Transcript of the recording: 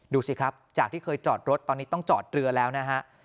ดูสิครับจากที่เคยจอดรถตอนนี้ต้องจอดเรือแล้วนะฮะ